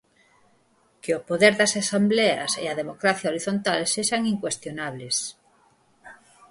Que o poder das asembleas e a democracia horizontal sexan incuestionables.